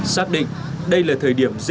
xác định đây là thời điểm dễ phát sinh